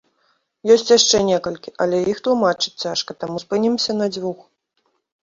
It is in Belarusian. Ёсць яшчэ некалькі, але іх тлумачыць цяжка, таму спынімся на дзвюх.